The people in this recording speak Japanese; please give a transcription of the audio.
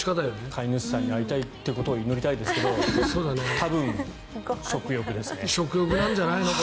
飼い主さんに会いたいということを祈りたいですけど食欲なんじゃないの。